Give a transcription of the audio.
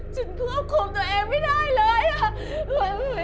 ฉันควบคุมตัวเองไม่ได้เลย